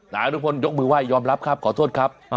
นายอนุพลยกมือไห้ยอมรับครับขอโทษครับ